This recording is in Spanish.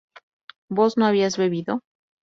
¿vos no habías bebido?